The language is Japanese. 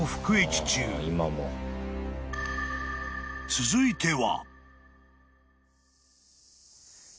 ［続いては］